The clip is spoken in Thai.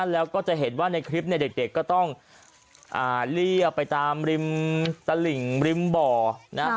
แล้วก็จะเห็นว่าในคลิปเนี่ยเด็กก็ต้องเรียบไปตามริมตลิ่งริมบ่อนะ